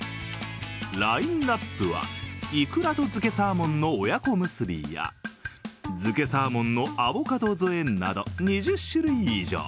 ラインナップは、いくらと漬けサーモンの親子むすびや漬けサーモンのアボカド添えなど２０種類以上。